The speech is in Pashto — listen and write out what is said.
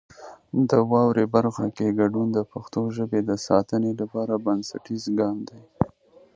د واورئ برخه کې ګډون د پښتو ژبې د ساتنې لپاره بنسټیز ګام دی.